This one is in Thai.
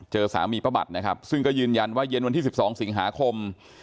สามีป้าบัตรนะครับซึ่งก็ยืนยันว่าเย็นวันที่๑๒สิงหาคม